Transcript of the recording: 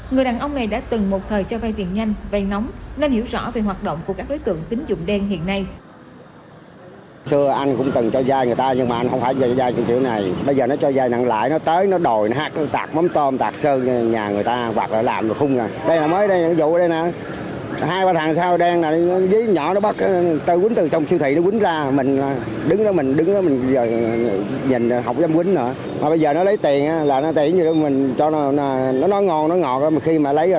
người đàn ông này đã từng một thời cho vây tiền nhanh vây nóng nên hiểu rõ về hoạt động của các đối tượng tính dụng đen hiện nay